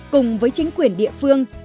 cùng với chính quyền địa phương